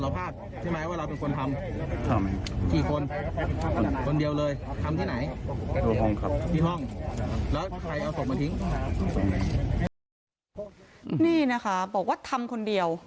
ผมฆ่าเขาหั่นศพเขาเป็น๒ท่อน